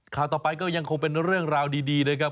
ข่าวต่อไปก็ยังคงเป็นเรื่องราวดีนะครับ